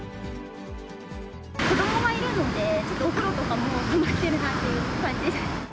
子どもがいるので、ちょっとお風呂とかも困ってるなっていう感じです。